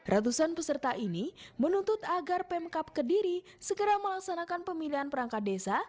ratusan peserta ini menuntut agar pemkap kediri segera melaksanakan pemilihan perangkat desa